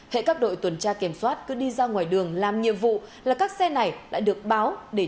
hệ các đội tuần tra kiểm soát cứ đi ra ngoài đường làm nhiệm vụ là các xe này lại được báo để